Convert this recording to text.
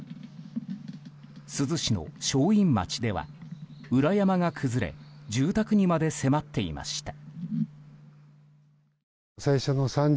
珠洲市の正院町では裏山が崩れ住宅にまで迫っていました。